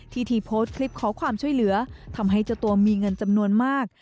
ที่ที่โพสต์คลิปขอความช่วยเหลือทำให้เจ้าตัวมีเงินจำนวนมาก